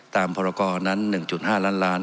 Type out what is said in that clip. พรกรนั้น๑๕ล้านล้าน